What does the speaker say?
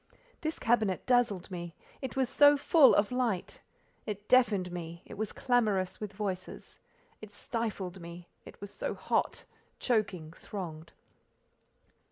This cabinet dazzled me, it was so full of light: it deafened me, it was clamorous with voices: it stifled me, it was so hot, choking, thronged.